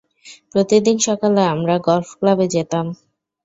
প্রতিদিন সকালে আমরা গলফ ক্লাবে যেতাম।